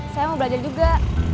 saya mau belajar juga